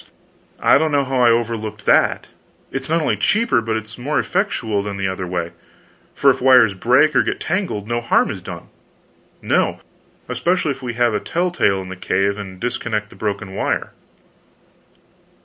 I don't know how I overlooked that. It's not only cheaper, but it's more effectual than the other way, for if wires break or get tangled, no harm is done." "No, especially if we have a tell tale in the cave and disconnect the broken wire.